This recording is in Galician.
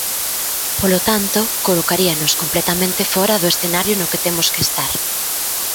Polo tanto, colocaríanos completamente fóra do escenario no que temos que estar.